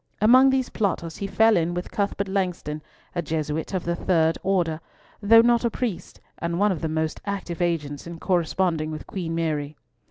Among these plotters he fell in with Cuthbert Langston, a Jesuit of the third order, though not a priest, and one of the most active agents in corresponding with Queen Mary.